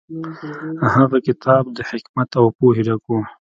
هغه کتاب د حکمت او پوهې ډک و.